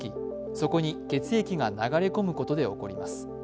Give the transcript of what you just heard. そこに血液が流れ込むことで起こります。